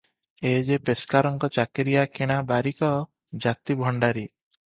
ଏ ଯେ ପେସ୍କାରଙ୍କ ଚାକିରିଆ କିଣା ବାରିକ, ଜାତି ଭଣ୍ଡାରି ।